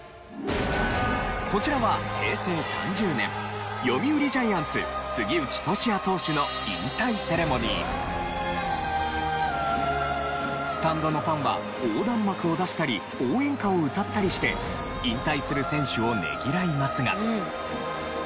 こちらは平成３０年読売ジャイアンツ杉内俊哉投手のスタンドのファンは横断幕を出したり応援歌を歌ったりして引退する選手をねぎらいますが。